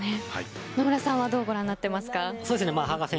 野村さんはどうご覧になりますか。